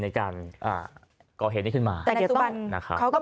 ในการอ่าก่อเหตุนี้ขึ้นมาแต่ในสุดปันนะฮะเขาก็